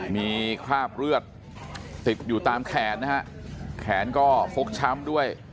มีคราบเลือดติดอยู่ตามแขนนะฮะแขนก็ฟกช้ำด้วย